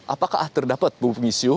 apakah terdapat bubuk misiu